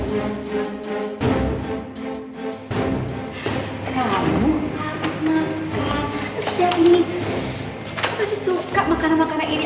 kamu pasti suka makanan makanan ini